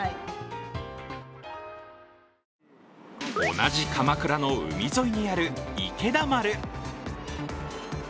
同じ鎌倉の海沿いにある池田丸。